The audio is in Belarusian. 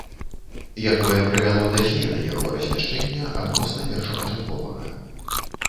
Якое прывяло да змены яго размяшчэння адносна першапачатковага